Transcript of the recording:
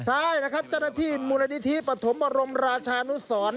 ใช่นะครับจริงที่มูลนิธิปฐมรมราชานุศร